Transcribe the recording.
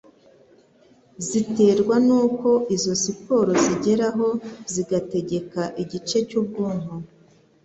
ziterwa n'uko izo siporo zigeraho zigategeka igice cy'ubwonko